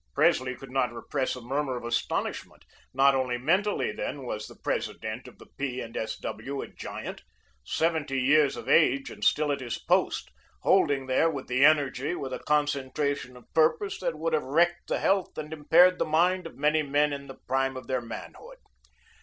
Presley could not repress a murmur of astonishment. Not only mentally, then, was the President of the P. and S. W. a giant. Seventy years of age and still at his post, holding there with the energy, with a concentration of purpose that would have wrecked the health and impaired the mind of many men in the prime of their manhood.